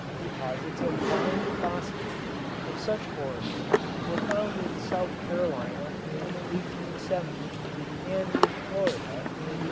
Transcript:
Deposits of lime phosphate of such origin were found in South Carolina in 1870 and in Florida in 1888.